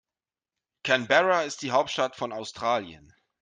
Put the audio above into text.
Canberra ist die Hauptstadt von Australien.